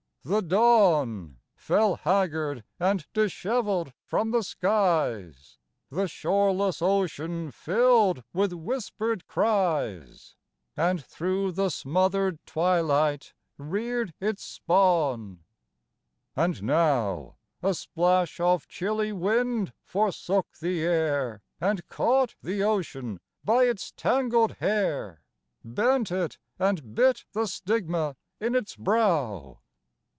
The dawn Fell haggard and dishevelled from the skies, The shoreless ocean filled with whispered cries And through the smothered twilight reared its spawn, ii THE EAST WIND And now A splash of chilly wind forsook the air And caught the ocean by its tangled hair, Bent it, and bit the stigma in its brow.